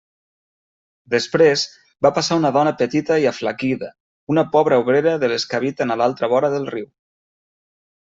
Després va passar una dona petita i aflaquida, una pobra obrera de les que habiten a l'altra vora del riu.